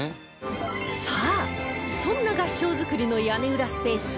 さあそんな合掌造りの屋根裏スペース